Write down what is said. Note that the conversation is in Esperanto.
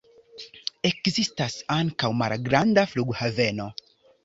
Ekzistas ankaŭ malgranda flughaveno.